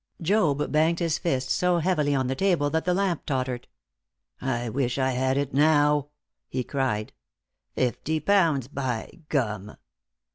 Job banged his fist so heavily on the table that the lamp tottered. "I wish I had it now!" he cried. "Fifty pounds by gum!"